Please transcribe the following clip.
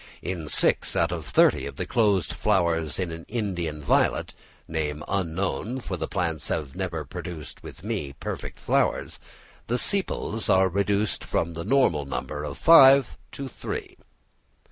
In six out of thirty of the closed flowers in an Indian violet (name unknown, for the plants have never produced with me perfect flowers), the sepals are reduced from the normal number of five to three.